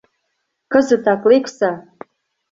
— Кызытак лекса!